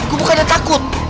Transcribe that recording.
gue bukannya takut